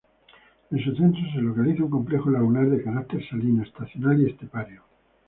En su centro se localiza un complejo lagunar de carácter salino, estacional y estepario.